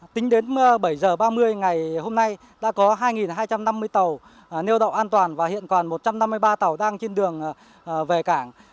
tính đến bảy h ba mươi ngày hôm nay đã có hai hai trăm năm mươi tàu neo đậu an toàn và hiện còn một trăm năm mươi ba tàu đang trên đường về cảng